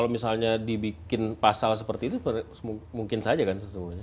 kalau misalnya dibikin pasal seperti itu mungkin saja kan sesungguhnya